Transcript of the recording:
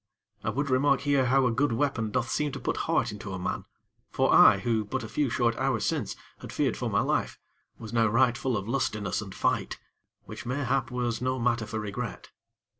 I would remark here how a good weapon doth seem to put heart into a man; for I, who but a few, short hours since had feared for my life, was now right full of lustiness and fight; which, mayhap, was no matter for regret.